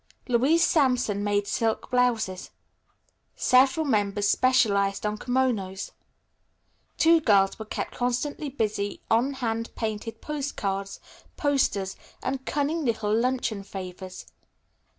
Louise Sampson made silk blouses. Several members specialized on kimonos. Two girls were kept constantly busy on hand painted post cards, posters and cunning little luncheon favors.